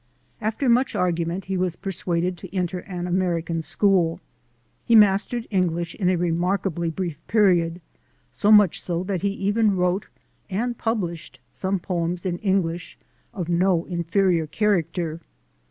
After much argument he was per suaded to enter an American school. He mastered English in a remarkably brief period, so much so that he even wrote and published some poems in English of no inferior character.